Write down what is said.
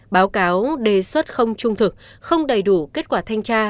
báo cáo đề xuất không trung thực không đầy đủ kết quả thanh tra